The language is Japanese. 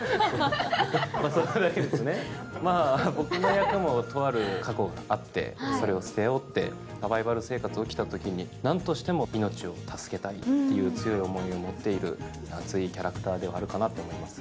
僕の役も、とある過去があって、それを捨てようとサバイバル生活が起きたときに、何としても命を助けたいという強い思いを持っている熱いキャラクターではあると思います。